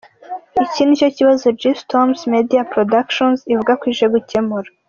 Iki nicyo kibazo G-Storm Media Productions ivuga ko ije gukemura.